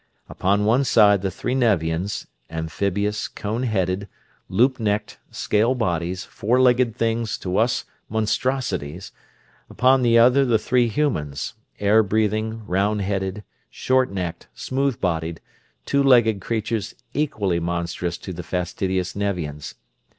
Upon one side the three Nevians; amphibious, cone headed, loop necked, scale bodies, four legged things to us monstrosities: upon the other the three humans, air breathing, rounded headed, shortnecked, smooth bodied, two legged creatures equally monstrous to the fastidious Nevians.